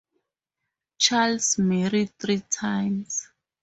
Charles married three times.